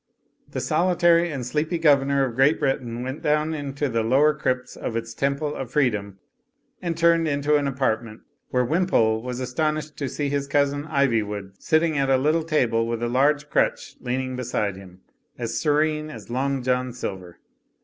The solitary and sleepy governor of Great Britain went down into the lower crypts of its temple of free dom and turned into an apartment where Wimpole was astonished to see his cousin Ivywood sitting at a little table with a large crutch leaning beside him, as serene as Long John Silver.